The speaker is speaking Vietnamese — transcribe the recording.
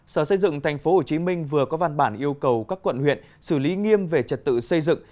sở xây dựng tp hcm vừa có văn bản yêu cầu các quận huyện xử lý nghiêm về trật tự xây dựng